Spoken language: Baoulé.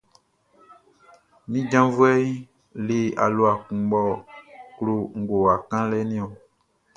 Min janvuɛʼn le alua kun mʼɔ klo ngowa kanlɛʼn niɔn.